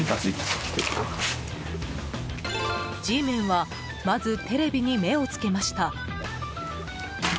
Ｇメンはまずテレビに目をつけました。